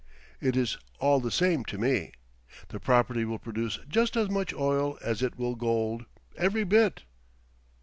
It is all the same to me. The property will produce just as much oil as it will gold. Every bit!"